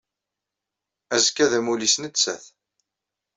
Azekka d amulli-ines nettat.